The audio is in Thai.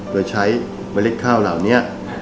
โดยใช้เมล็ดข้าวเหล่านี้